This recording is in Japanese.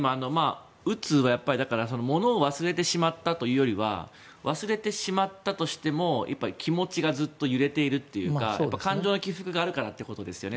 うつはものを忘れてしまったというより忘れてしまったとしても気持ちがずっと揺れているというか感情の起伏があるからということですよね。